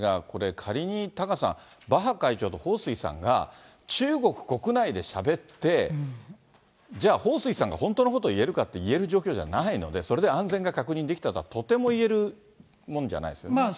これ、仮に、タカさん、バッハ会長と彭帥さんが中国国内でしゃべって、じゃあ、彭帥さんが本当のことを言えるかというと言える状況じゃないので、それで安全が確認できたとは、とても言えるもんじゃないですよね。